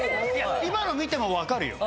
今の見ても分かるよ。